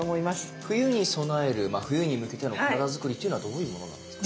冬に備えるまあ冬に向けての体づくりっていうのはどういうものなんですか？